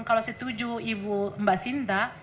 kalau setuju ibu mbak sinta